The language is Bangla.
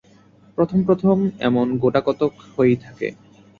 প্রথম প্রথম এমন গোটাকতক হয়েই থাকে।